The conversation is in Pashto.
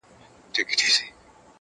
چي اغیار یې بې ضمیر جوړ کړ ته نه وې!٫.